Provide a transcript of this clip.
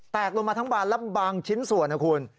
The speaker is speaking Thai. ลงมาทั้งบานแล้วบางชิ้นส่วนนะคุณ